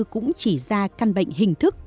cũng chỉ ra căn bệnh hình thức